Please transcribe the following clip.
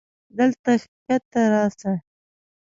دلته کښته راسه.